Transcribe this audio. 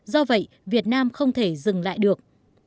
do vậy việt nam không thể dừng lại được